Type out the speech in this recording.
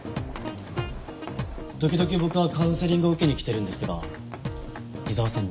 時々僕はカウンセリングを受けに来てるんですが井沢さんも？